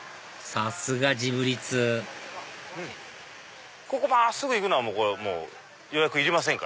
さすがジブリ通真っすぐ行くの予約いりません。